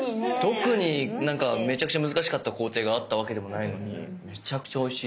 特になんかめちゃくちゃ難しかった工程があったわけでもないのにめちゃくちゃおいしい。